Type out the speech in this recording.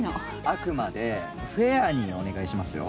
あくまでフェアにお願いしますよ。